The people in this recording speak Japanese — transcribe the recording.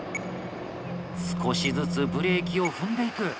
少しずつブレーキを踏んでいく。